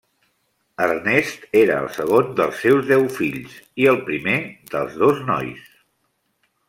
Ernest era el segon dels seus deu fills i el primer dels dos nois.